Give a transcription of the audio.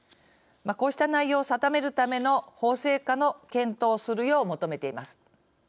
こうした内容を定めるための法制化の検討をするよう求めています。